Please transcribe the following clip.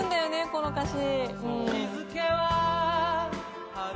この歌詞。